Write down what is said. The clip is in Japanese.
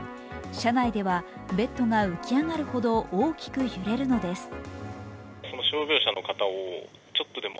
車内ではベッドが浮き上がるほど大きく揺れるのです。